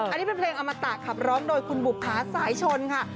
อันนี้เป็นเพลงอมตะขับร้องโดยคุณบุภาสายชนค่ะ